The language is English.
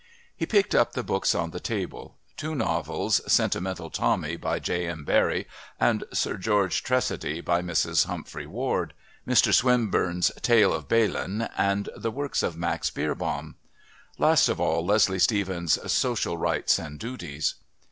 He picked up the books on the table two novels, Sentimental Tommy, by J. M. Barrie, and Sir George Tressady, by Mrs. Humphry Ward, Mr. Swinburne's Tale of Balen, and The Works of Max Beerbohm. Last of all Leslie Stephen's Social Rights and Duties.